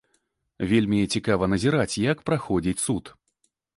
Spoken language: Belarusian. Вельмі цікава назіраць, як праходзіць суд.